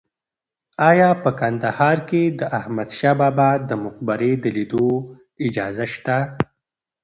ایا په کندهار کې د احمد شاه بابا د مقبرې د لیدو اجازه شته؟